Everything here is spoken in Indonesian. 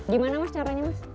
gimana mas caranya